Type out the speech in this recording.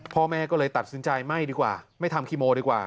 พ่อแม่ก็เลยตัดสินใจไม่ดีกว่าไม่ทำคีโมดีกว่า